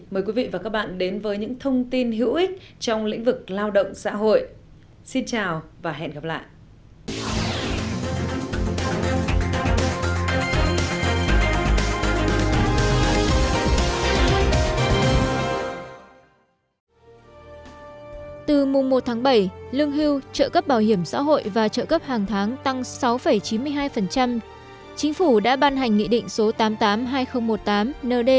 mời quý vị và các bạn đến với những thông tin hữu ích trong lĩnh vực lao động xã hội